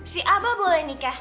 si abah boleh nikah